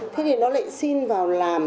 thế thì nó lại xin vào làm